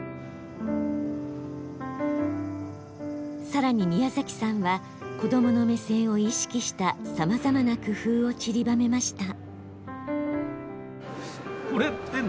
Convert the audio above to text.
更に宮崎さんは子どもの目線を意識したさまざまな工夫をちりばめました。